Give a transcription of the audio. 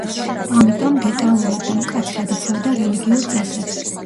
ამიტომ, დეტალურად და მკაცრად იცავდა რელიგიურ წესებს.